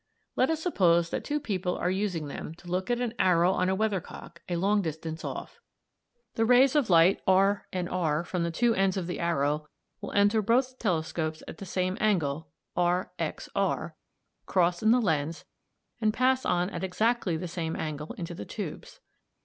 Let us suppose that two people are using them to look at an arrow on a weathercock a long distance off. The rays of light r, r from the two ends of the arrow will enter both telescopes at the same angle r, x, r, cross in the lens, and pass on at exactly the same angle into the tubes.